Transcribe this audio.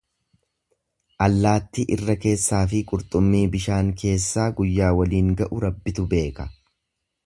Allaattii irra keessaafi qurxummii bishaan keessaa guyyaa waliin ga'u Rabbitu beeka.